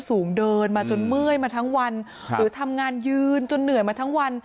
สูงเดินมาจนเมื่อยมาทั้งวันหรือทำงานยืนจนเหนื่อยมาทั้งวัน